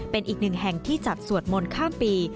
เป็นอีกหนึ่งแห่งที่จัดสวดมนต์ข้ามปี